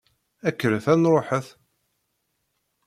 Kkret, ad nṛuḥet!